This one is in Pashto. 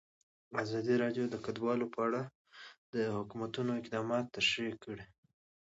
ازادي راډیو د کډوال په اړه د حکومت اقدامات تشریح کړي.